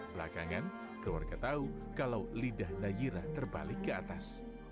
belakangan keluarga tahu kalau lidah nayira terbalik ke atas